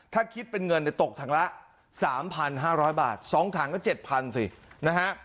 ถ้าคิดเป็นเงินตกถังละ๓๕๐๐บาท๒ถังก็๗๐๐สินะฮะ